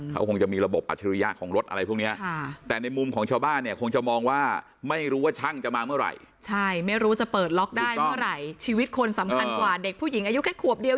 เขาคงจะมีระบบอัจฉริยะของรถอะไรพวกเนี้ย